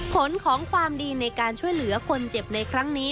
ผลของความดีในการช่วยเหลือคนเจ็บในครั้งนี้